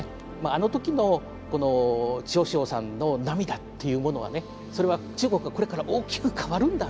あの時の趙紫陽さんの涙っていうものはねそれは中国がこれから大きく変わるんだということをね